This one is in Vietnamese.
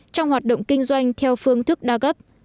trong hoạt động kinh doanh theo phương thức đa cấp